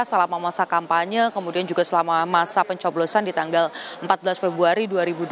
selama masa kampanye kemudian juga selama masa pencoblosan di tanggal empat belas februari dua ribu dua puluh